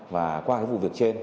và qua cái vụ việc trên